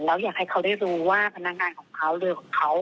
เจ้าหน้าที่บอกว่าทางวัดเนี่ยก็จริงไม่มีส่วนเกี่ยวข้องกับเหตุการณ์ดังกล่าวนะ